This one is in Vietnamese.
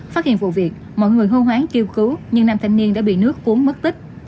phát hiện vụ việc mọi người hô hoáng kêu cứu nhưng nam thanh niên đã bị nước cuốn mất tích